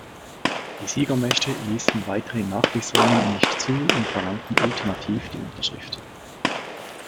Die Siegermächte ließen weitere Nachbesserungen nicht zu und verlangten ultimativ die Unterschrift.